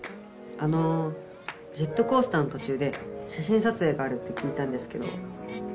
あのジェットコースターのとちゅうで写真撮影があるって聞いたんですけど。